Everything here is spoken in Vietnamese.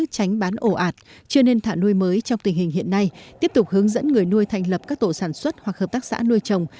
tránh bán ổ ạt chưa nên thả nuôi mới trong tình hình hiện nay tiếp tục hướng dẫn người nuôi thành lập các tổ sản xuất hoặc hợp tác xã nuôi trồng